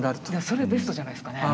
それベストじゃないですかね。